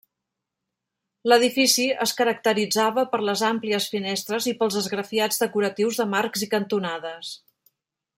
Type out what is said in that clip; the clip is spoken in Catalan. L'edifici es caracteritzava per les àmplies finestres i pels esgrafiats decoratius de marcs i cantonades.